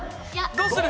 どうする？